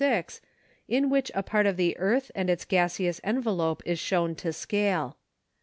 6, in which a part of the earth and its gaseous envelope is shown to scale.